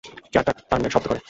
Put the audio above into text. চেয়ারটা টানল শব্দ করে।